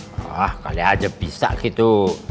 wah kalian aja bisa gitu